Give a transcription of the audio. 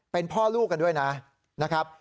เป็นพ่อลูกกันด้วยนะครับ